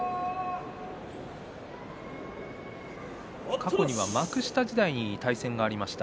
過去には幕下時代に対戦がありました。